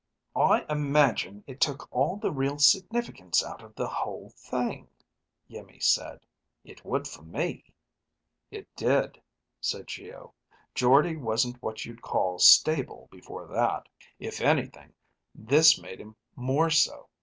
"I imagine it took all the real significance out of the whole thing," Iimmi said. "It would for me." "It did," said Geo. "Jordde wasn't what you'd call stable before that. If anything, this made him more so.